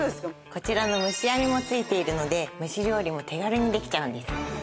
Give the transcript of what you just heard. こちらの蒸し網も付いているので蒸し料理も手軽にできちゃうんです。